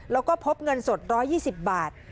แล้วก็พบเงินสด๑๒๐บาท